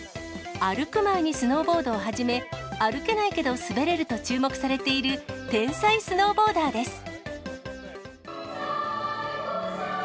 歩く前にスノーボードを始め、歩けないけど滑れると注目されている天才スノーボーダーです。